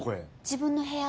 自分の部屋。